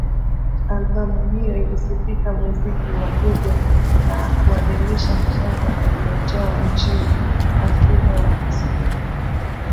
Albamu hiyo ilisifia muziki wa Dube na kuadhimisha mchango aliyotoa nchini Afrika ya Kusini